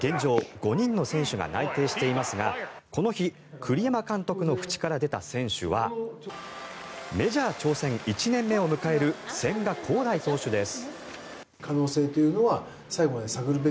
５人の選手が内定していますがこの日、栗山監督の口から出た選手はメジャー挑戦１年目を迎える千賀滉大投手です。